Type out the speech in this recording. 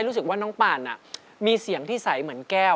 ดีเพราะดีเกินไปลูก